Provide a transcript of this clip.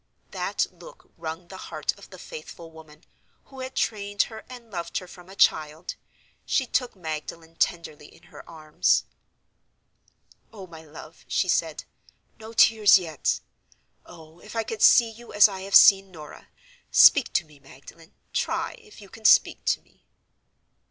That look wrung the heart of the faithful woman, who had trained her and loved her from a child. She took Magdalen tenderly in her arms. "Oh, my love," she said, "no tears yet! Oh, if I could see you as I have seen Norah! Speak to me, Magdalen—try if you can speak to me."